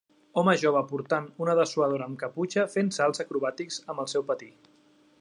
Home jove portant una dessuadora amb caputxa fent salts acrobàtics amb el seu patí.